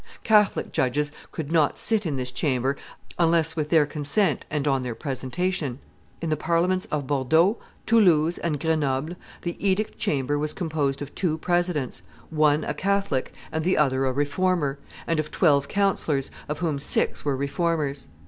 Catholic judges could not sit in this chamber unless with their consent and on their presentation. In the Parliaments of Bordeaux, Toulouse, and Grenoble, the edict chamber was composed of two presidents, one a Catholic and the other a Reformer, and of twelve councillors, of whom six were Reformers.